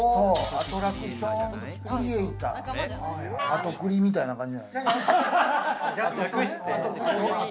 アトラクションクリエイター、アトクリみたいな感じ。